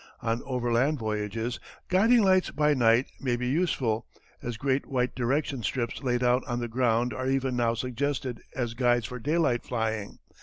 On overland voyages guiding lights by night may be useful, as great white direction strips laid out on the ground are even now suggested as guides for daylight flying.